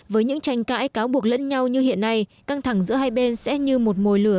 với những tranh cãi cáo buộc lẫn nhau như hiện nay căng thẳng giữa hai bên sẽ như một mồi lửa